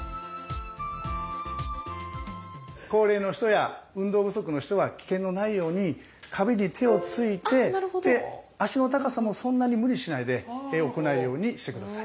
高齢の人や運動不足の人は危険のないように壁に手をついて脚の高さもそんなに無理しないで行うようにして下さい。